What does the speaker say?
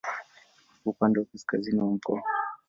Ipo upande wa kaskazini mwa mkoa.